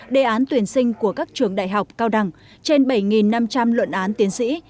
đề án tuyển sinh của các trường đại học cao đẳng trên bảy năm trăm linh luận án tiến sĩ